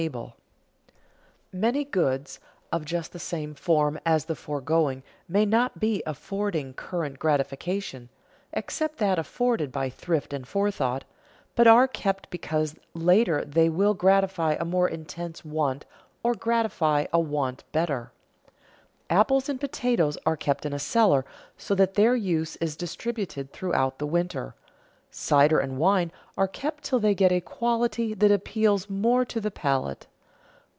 [Sidenote: Enjoyable goods and durable agents] Many goods of just the same form as the foregoing may not be affording current gratification (except that afforded by thrift and forethought), but are kept because later they will gratify a more intense want or gratify a want better. Apples and potatoes are kept in a cellar so that their use is distributed throughout the winter; cider and wine are kept till they get a quality that appeals more to the palate.